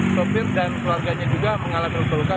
sopir dan keluarganya juga mengalami luka luka